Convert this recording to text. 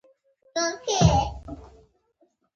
ځینې نباتات غوښه خوړونکي دي